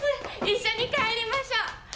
一緒に帰りましょう。